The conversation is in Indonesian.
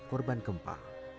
anak korban gempa